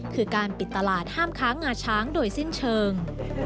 คือการปิดตลาดห้ามค้างงาช้างโดยสิ้นเชิง